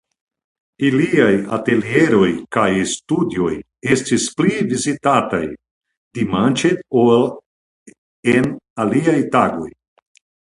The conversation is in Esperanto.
Iliaj atelieroj kaj studioj estis pli vizitataj dimanĉe ol en aliaj tagoj.